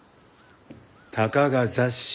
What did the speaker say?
たかが雑誌。